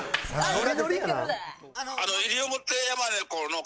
ノリノリやな。